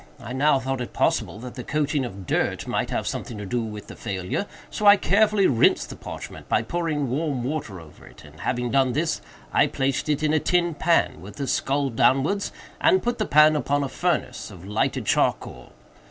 I now thought it possible that the coating of dirt might have something to do with the failure; so I carefully rinsed the parchment by pouring warm water over it, and, having done this, I placed it in a tin pan, with the skull downwards, and put the pan upon a furnace of lighted charcoal.